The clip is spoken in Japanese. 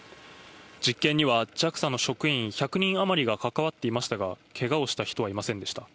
実験には、ＪＡＸＡの職員１００人余りが関わっていましたが、けがをした人はいませんでした。